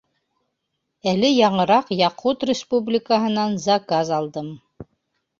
Әле яңыраҡ Яҡут Республикаһынан заказ алдым.